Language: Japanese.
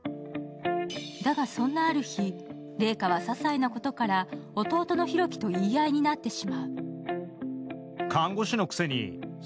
だが、そんなある日、怜花はささいなことから弟の佑樹と言い合いになってしまう。